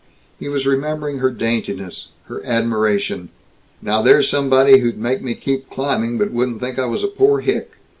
He was remembering her daintiness, her admiration. "Now there's somebody who'd make me keep climbing, but wouldn't think I was a poor hick.